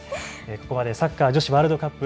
ここまでサッカー女子ワールドカップ